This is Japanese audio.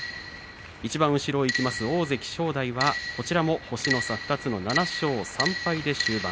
いちばん後ろ、大関正代はこちらも星の差２つ７勝３敗で終盤。